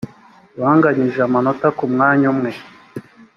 banganyije amanota ku mwanya umwe